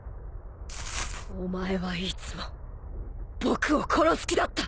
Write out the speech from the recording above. お前はいつも僕を殺す気だった！